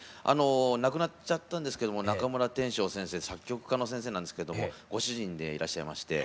亡くなっちゃったんですけども中村典正先生作曲家の先生なんですけどもご主人でいらっしゃいまして。